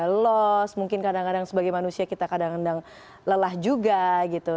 loss mungkin kadang kadang sebagai manusia kita kadang kadang lelah juga gitu